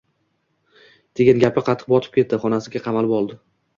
degan gapi qattiq botib ketdi xonasiga qamalib oldi